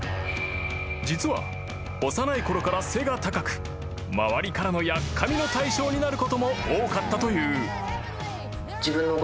［実は幼いころから背が高く周りからのやっかみの対象になることも多かったという］